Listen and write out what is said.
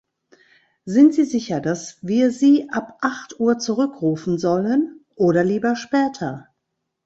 Sind Sie sicher, dass wir Sie ab acht Uhr zurückrufen sollen? Oder lieber später?